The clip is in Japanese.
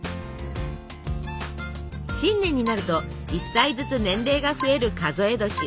新年になると１歳ずつ年齢が増える数え年。